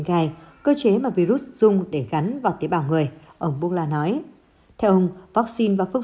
gai cơ chế mà virus dùng để gắn vào tế bào người ông bukla nói theo ông vắc xin và phương